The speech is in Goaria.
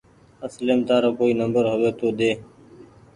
اصليم تآرو ڪوئي نمبر هووي تو ۮي